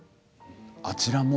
あちらも。